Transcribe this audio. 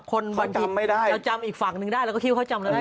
คนเขาจำไม่ได้แล้วจำอีกฝั่งหนึ่งได้แล้วก็คิวเขาจำแล้วได้